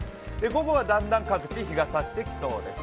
午後はだんだん各地、日がさしてきそうです。